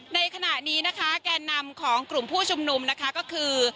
ในขณะนี้นะคะแก่นำของกลุ่มผู้ชุมนุมนะคะก็คือ